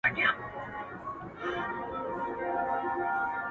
كوم ولات كي يې درمل ورته ليكلي!.